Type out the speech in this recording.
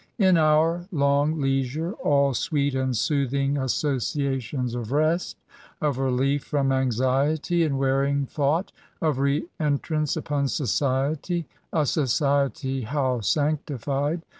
In our long leisure^ all sweet and soothing associa tions of rest,— of relief froih anxiety and wearing thought, — of re entrance upon society, — (a society how sanctified